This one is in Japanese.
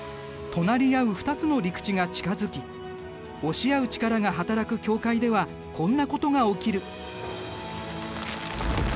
隣り合う２つの陸地が近づき押し合う力が働く境界ではこんなことが起きる。